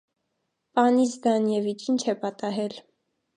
- Պանի Զդանևիչ, ի՞նչ է պատահել: